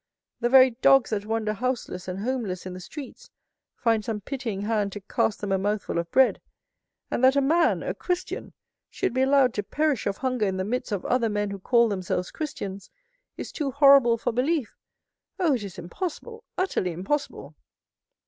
The very dogs that wander houseless and homeless in the streets find some pitying hand to cast them a mouthful of bread; and that a man, a Christian, should be allowed to perish of hunger in the midst of other men who call themselves Christians, is too horrible for belief. Oh, it is impossible!—utterly impossible!"